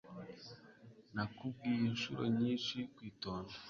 Nakubwiye inshuro nyinshi kwitonda.